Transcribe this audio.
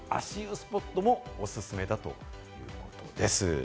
スポットもオススメだということです。